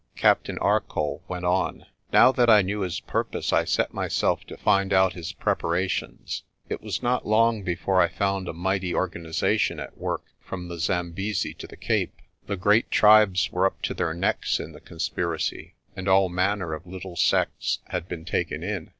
Captain Arcoll went on. "Now that I knew his pur pose, I set myself to find out his preparations. It was not long before I found a mighty organisation at work from the Zambesi to the Cape. The great tribes were up to their necks in the conspiracy, and all manner of little sects had been taken in.